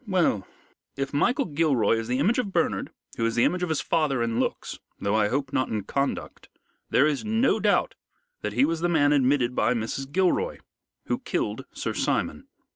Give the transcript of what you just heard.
"Well, if Michael Gilroy is the image of Bernard, who is the image of his father in looks, though I hope not in conduct, there is no doubt that he was the man admitted by Mrs. Gilroy, who killed Sir Simon.